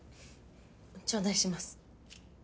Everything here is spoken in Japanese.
頂戴します。